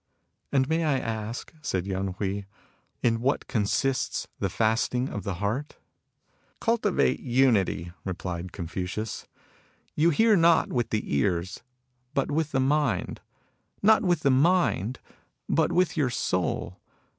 "And may I ask," said Yen Hui, "in what consists the fasting of the heart ?"" Cultivate unity," replied Confucius. " You hear not with the ears, but with the mind ; not with the mind, but with your soul.